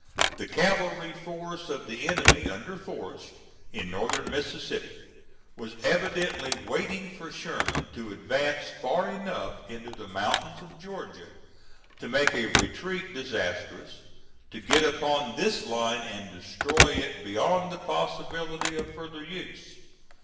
The cavalry force of the enemy under Forrest, in Northern Mississippi, was evidently waiting for Sherman to advance far enough into the mountains of Georgia, to make a retreat disastrous, to get upon this line and destroy it beyond the possibility of further use.